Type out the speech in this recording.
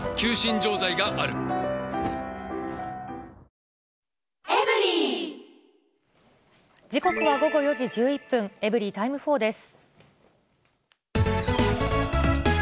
いいじゃないだって時刻は午後４時１１分、エブリィタイム４です。